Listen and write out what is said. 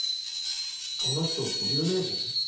あの人有名人？